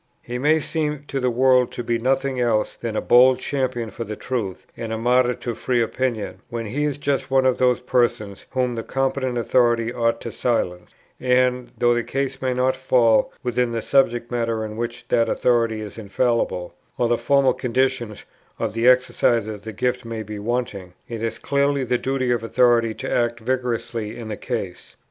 He may seem to the world to be nothing else than a bold champion for the truth and a martyr to free opinion, when he is just one of those persons whom the competent authority ought to silence; and, though the case may not fall within that subject matter in which that authority is infallible, or the formal conditions of the exercise of that gift may be wanting, it is clearly the duty of authority to act vigorously in the case.